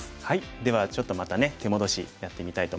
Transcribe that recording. ではちょっとまたね手戻しやってみたいと思います。